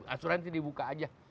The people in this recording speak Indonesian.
asuransi dibuka aja